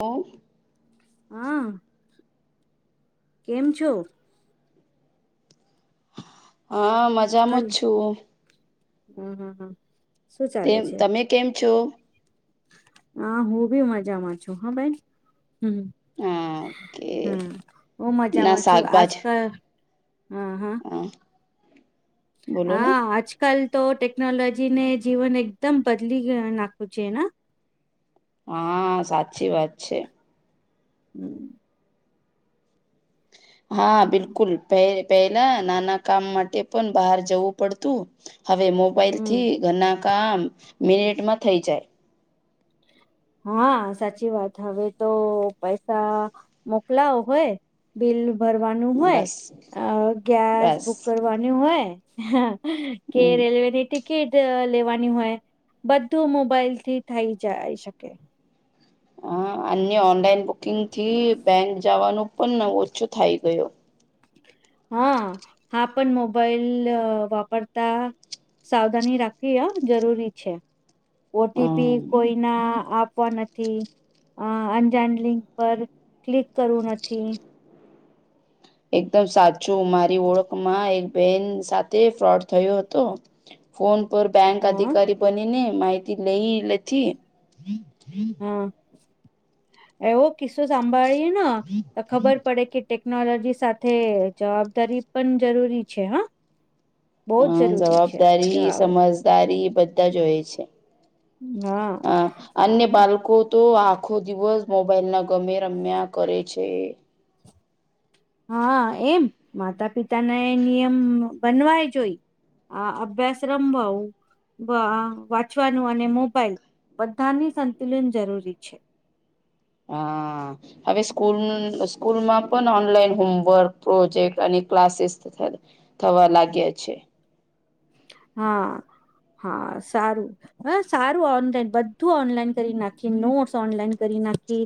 ઓ હા કેમ છો હા મજામાં જ છું હમ હમ હા તેમ તમે કેમ છો? હા હું બી મજામાં છું હા બેન હમ હા કે હમ બહુ ના મજામાં છું આજ શાકભાજ કલ હા હા હા. બોલો ને હા આજ કાલ તો ટેકનોલોજીને જીવન એકદમ બદલી ગયા નાખવુ છે ન. હા સાચી વાત છે. [inaudible] હા બિલકુલ પેહ પેહલા નાના કામ માટે પણ બહાર જવું પડતું હવે મો મોબાઈલ હમ થી ઘરના કામ મિનિટમાં થઈ જાય. હા સાચી વાત હવે તો પૈસા મોકલાવ હોય બિલ ભરવાનું હોય બસ અ ગેસ બસ બુક કરવાની હોય હે કે હમ રેલવે ની ટિક ટિકિટ લેવાની હોય બધું મોબાઈલથી થઈ જાય શકે. હા અન્ય ઓનલાઈન બુકિંગ થી બેંક જવાનું પણ ઓછો થઈ ગયો. હા આ પણ મોબાઈલ વાપરતા સાવધાની રાખવી અ જરૂરી છે ઓ ટી પી હમ કોઈના આપવા નથી થી અ અંજાન લિંક પર ક્લિક કરવું નથી. એકદમ સાચું મારી ઓળખમાં એક બેન સાથે ફ્રોડ થયો હતો. ફોન પર બેંક હ અધિકારી બંનેને માહિતી લઈ લેથી હા એવો કિસ્સો સાંભાળીએ ને તો ખબર પડે કે ટેક ટેકનોલોજી સાથે જવાબદારી પણ જરૂરી છે હા. બહુ જ હા જરૂરી છે જવાબદારી જવાબ સમજ તારી બધા જ હોય છે હા આ અન્ય હા બાળકો તો આખો દિવસ મોબાઈલ ના ગમે રમ્યા કરે છે. હા એમ માતા પિતાને નિયમ બનવાય જોઈ આ અભ્યાસ રંભાવું વા વાંચવાનું અને મોબાઈલ બધાની સંતુલન જરૂરી છે. હા. હવે સ્કૂલ સ્કૂલમાં પણ ઓનલાઈન હોમવર્ક પ્રોજેક્ટ અને ક્લાસીસ થ થવા લાગ્યા છે. હા હા સારું. હા સારું ઓનલાઈન બધું ઓનલાઈન કરી નાખી નોટસ ઓનલાઈન કરી નાખી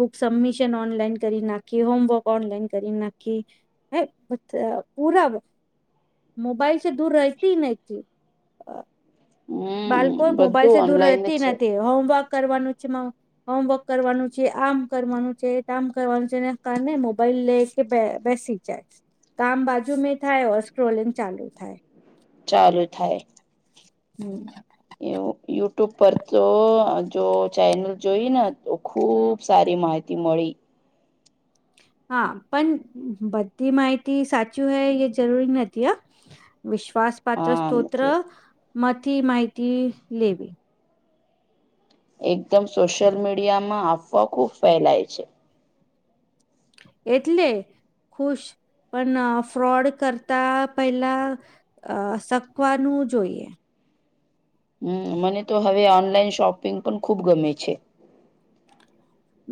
બુક સબમિશન ઓનલાઈન કરી નાખી હોમવર્ક ઓનલાઈન કરી નાખી. હે પૂરા મોબાઈલસે દૂર રહતી નહી. જી આ હમ બાળકો મોબાઈલ સે બધું દૂર ઓનલાઈન જ રહેતી છે નથી હોમવર્ક કરવાનું છે મ હોમવર્ક કરવાનું છે આમ કરવાનું છે તામ કરવાનું છે એના કારણે મોબાઈલ લે કે બે બેસી જાય કામ બાજુ મે થાય ઓર સ્ક્રોલિંગ ચાલુ થાય. ચાલુ થાય. હમ્મ. એવું યુટ્યુબ પર તો આ જો ચેનલ જોઈ ન હતું ખુબ સારી માહિતી મળી. હા પણ બધી માહિતી સાચું હૈ એ જરૂરી નથી હા. વિશ્વાસ પાત્ર હા સ્ત્રોત્ર માંથી માહિતી લેવી. એકદમ સોશિયલ મીડિયામાં અફવા ખુબ ફેલાય છે. એટલે ખુશ પણ ફ્રોડ કરતા પહેલા આ શકવાનું જોઈએ. હમ્મ મને તો હવે ઓનલાઈન શોપિંગ પણ ખુબ ગમે છે.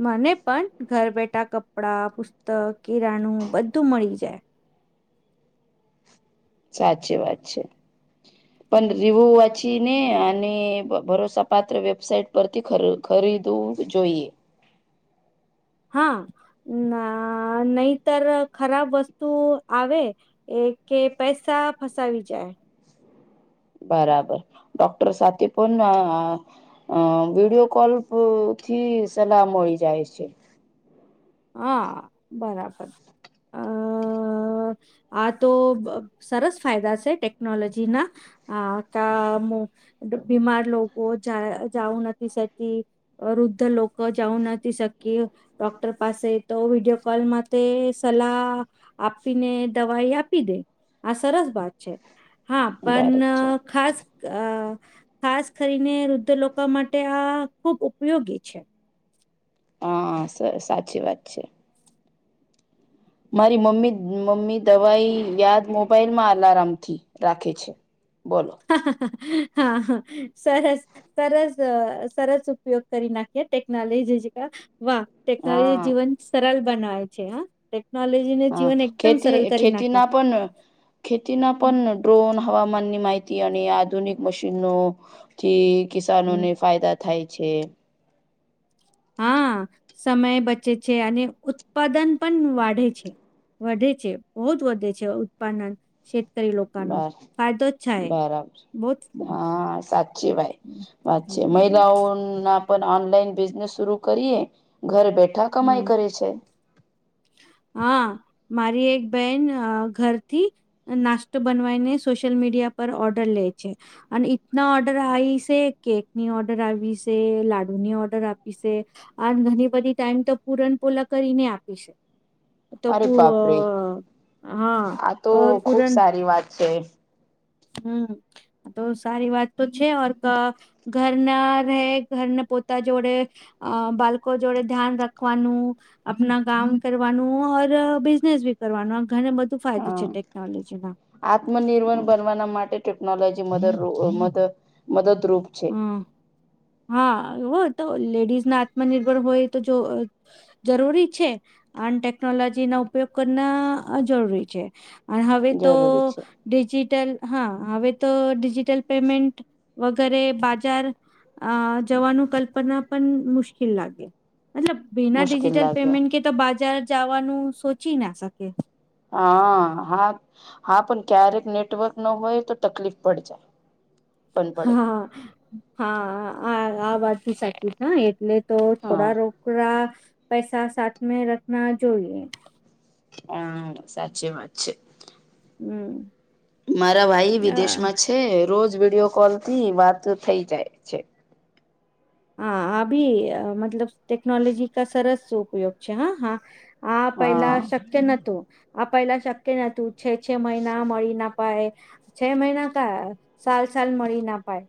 મને પણ ઘર બેઠા કપડા પુસ્તક કિરાણું બધું મળી જાય. સાચી વાત છે પણ રીવુ વાત પછી ને અને ભરોસા પાત્ર વેબસાઇટ પરથી ખરીદવું જોઈએ હા ના નહીતર ખરાબ વસ્તુ આવે એ કે પૈસા ફસાવી જાય બરાબર ડોક્ટર સાથે પણ અ વિડીયો કોલ થી સલાહ મળી જાય છે હા બરાબર અ અ આ તો સરસ ફાયદા છે ટેકનોલોજીના હા ક બીમાર લોકો જાઉ નથી શકી વૃદ્ધ લોકો જાઉ નથી શકી ડોક્ટર પાસે તો વિડીયો કોલમા તે સલાહ આપીને દવાઈ આપી દે આ સરસ વાત છે હા પણ ભારત છે ખાસ અ ખાસ કરીને વૃદ્ધ લોકો માટે આ ખુબ ઉપયોગી છે હા સાવ સાચી વાત છે મારી મમ્મી મમ્મી દવાઈ યાદ મોબાઈલમાં અલાર્મ થી રાખે છે બોલો હ હા હા સરસ સરસ સરસ ઉપયોગ કરી નાખીએ ટેકનોલોજી વાહ ટેકનોલોજી હા જીવન સરળ બનાવે છે હ ટેકનોલોજી હા ખેતી ખેતીના પણ ખેતીના હમ. પણ ડ્રોન હવામાન ની માહિતી અને આધુનિક મશીનો થી હમ. કિસાનોને ફાયદા થાય છે હા સમય બચે છે અને ઉત્પાદન પણ વાઢે છે વધે છે બહુ જ વધે છે ઉત્પાદન કરી લોકા નુ બર ફાયદો જ થાય બરાબર હા સાચી ભાઈ વાત છે હમ મહિલાઓ ના પણ ઓનલાઈન બિઝનેસ શરુ કરીએ ઘર બેઠા હમ. કમાઈ કરે છે હા મારી એક બેન ઘરથી નાસ્તો બનાવી ને સોશિયલ મીડિયા પર ઓર્ડર લે છે અને ઇતના ઓર્ડર આવી છે કેકની ઓર્ડર આવી છે લાડુ ની ઓર્ડર આપી છે આ ઘણી બધી ટાઈમ તો પુરનપ પોલા કરી ને આપી છે તો અરે પુ બાપરે અ હા આ તો અ ખુબ પૂરન સારી વાત છે હમ તો સારી વાત તો છે ઓર ઘરના રહે ઘરને પોતા જોડે અ બાળકો જોડે ધ્યાન રાખવાનું આપણા કામ કરવાનું ઓર બિઝનેસ બી કરવાનું ઘને બધું ફાયદો હા છે ટેકનોલોજી ના આત્મનિર્ભર બનવાના માટે ટેકનોલોજી મ મદદ મદદરૂપ છે હમ હા હો તો લેડીઝ ના આત્મનિર્ભર હોય તો જો જરૂરી છે અને ટેકનોલોજી ના ઉપયોગ કરના જરૂરી છે અને હવે તો જરૂરી છે ડિજિટલ હા હવે તો ડિજિટલ પેમેન્ટ ઘરે બાજાર અ જવાનું કલ્પના પણ મુશ્કેલ લાગે મતલબ બીના મુશ્કેલ ડિજિટલ લાગે પેમેન્ટ કે તો બજાર જવાનું સોચી ના શકે હા હા હા પણ ક્યારેક નેટવર્ક ન હોય તો તકલીફ પડ જાય પણ પડે હા હા આ આ વાત સાચી છે એટલે તો હા થોડા રોકડા પૈસા સાથ મેં રખના જોઈએ હમ સાચી વાત છે હમ મારા ભાઈ અ વિદેશમાં છે રોજ વિડીયો કોલ થી વાત થઈ જાય છે હા અભી મતલબ ટેકનોલોજી કા સરસ ઉપયોગ છે હા હા હા પહેલા શક્ય નતું. આપેલા શક્ય નતું છે છે મહિના મળી નાપાય. છે મહિના ક સાલ સાલ મળી ના પાય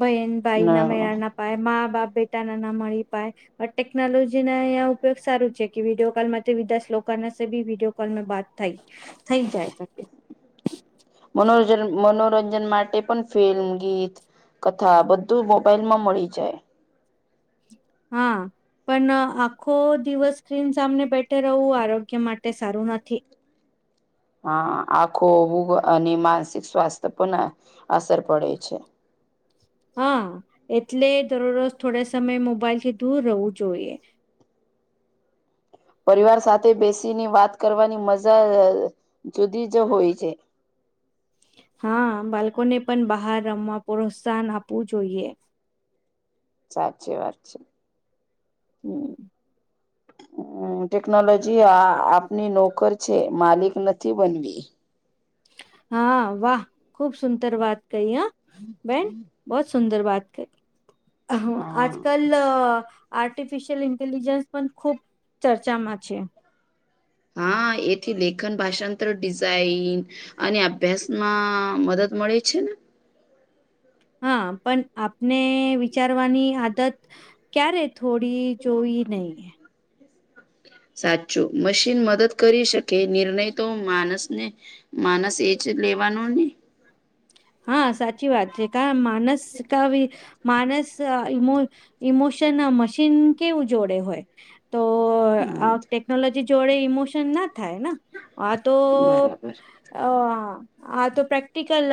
બહેન. ભાઈ ના મેળા ના પાય મા બાપ બેટા ના ના મળી પાય ટેકનોલોજી ના અં ઉપયોગ સારું છે કે વિડીયો કોલ માં વિદેશ લોકો ના બી વિડીયો. કોલ બાત થઈ થઈ જાય શકે મનોરંજન મનોરંજન માટે પણ ફિલ્મ ગીત કથા બધું મોબાઈલ માં મળી જાય. હા પણ આખો દિવસ સ્ક્રીન સામને બેઠે રહો આરોગ્ય માટે સારું નથી. હા આખો અને માનસિક સ્વાસ્થ્ય પર અસર પડે છે. હા એટલે દરરોજ થોડા સમય મોબાઈલ થી દૂર રહેવું જોઈએ પરિવાર સાથે બેસીને વાત કરવાની મજા જુદી જ હોય છે. હા બાળકોને પણ બહાર રમવા પ્રોત્સાહન આપવું જોઈએ. સાચી વાત છે. હમ હમ ટેકનોલોજી આ આપની નોકર છે માલિક નથી બનવી. હા વાહ ખુબ સુંદર વાત કહી હ બેન બહ સુંદર બાત કરી હા આજ કલ લો આર્ટિફિશયલ ઇન્ટેલિજન્સ પણ ખુબ ચર્ચામાં છે. હા એથી લેખન ભાષાંતર ડિઝાઇન અને અભ્યાસ માં મદદ મળે છે ને. હા પણ આપને વિચારવાની આદત ક્યારે થોડી જોઈ નહીં સાચું મશીન મદદ કરી શકે નિર્ણય તો માણસને માણસ એજ લેવાનું ને હા સાચી વાત છે કા માણસ કા ભી માણસ ઇમો ઇમોશન મશીન કેવું જોડે હોય. તો હા, આ ટેકનોલોજી જોડે ઈમોશન ના થાય ને તો બરાબર અ આ તો પ્રેક્ટિકલ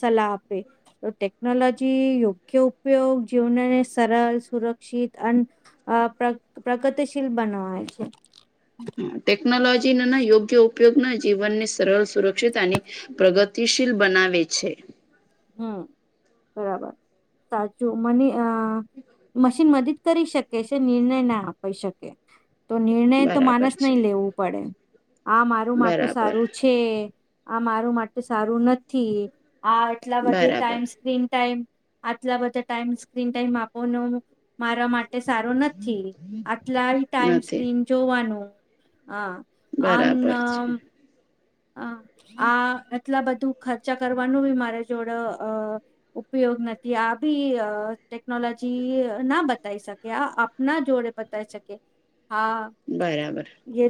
સલાહ આપે. તો ટેકનોલોજી યોગ્ય ઉપયોગ જીવનને સરળ સુરક્ષિત અન અ પ્ર પ્રગતિશીલ બનાવાય છે. ટેકનોલોજી ના યોગ્ય ઉપયોગ ના જીવનની સરળ સુરક્ષિત એને પ્રગતિશીલ બનાવે છે. હમ બરાબર સાચું મને અ મશીન મ જ કરી શકે છે નિર્ણય ના આપી શકે તો નિર્ણય તો બરાબર માણસ છે નહી લેવું પડે. હા મારું માટું બરાબર સારું છે. છે આ મારું માટે સારું નથી આ એટલા બધે બરાબર ટાઈમ સ્ક્રીન ટાઈમ આટલા બધા ટાઈમ સ્ક્રીન ટાઈમ આપોને મારા માટે એ સારું નથી આટલા ટાઈમ નથી સ્ક્રીન જોવાનું હ આમ બરાબર છે ના હ આ એટલા બધું ખર્ચા કરવાનું બી મારી જોડે અ ઉપયોગ નથી આ બી અ ટેકનોલોજી ના બતાવી શકે. કે આ આપના જોડે બતાય શકે હા બરાબર એ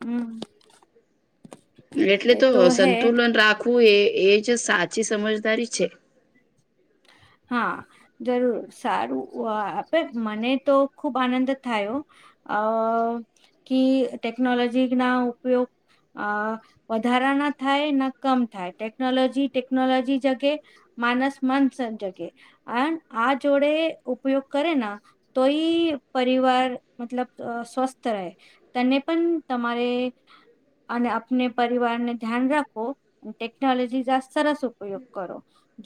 હુ એટલે તો સંતુલન રાખવું એ એ જ સાચી સમજદારી છે. હા જરૂર સારું આપે મને તો ખુબ આનંદ થાયો હો. અહ કિ ટેકનોલોજીના ઉપયોગ અહ વધારા ના થાય, ન કમ થાય, ટેકનોલોજી ટેકનોલોજી જગે માનસ મન સજગે, અન આ જોડે ઉપયોગ કરેના તો ઈ પરિવાર મતલબ ત સ્વસ્થ રહે. તને પણ તમારે, અને આપને પરિવારને ધ્યાન રાખો. ટેકનોલોજી જા સરસ ઉપયોગ કરો,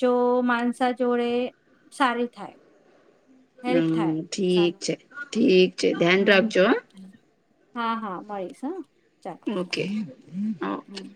જો માણસા જોડે સારી થાય. હેલ્પ હમ્મ, થાય ઠીક છે, ઠીક છે ધ્યાન હમ્મ, રાખજો હા, હા મળીશ હા. ચાલ. ઓકે. ઓ હમ્મ.